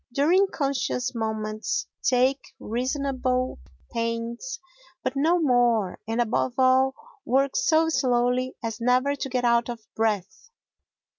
During conscious moments take reasonable pains but no more and, above all, work so slowly as never to get out of breath.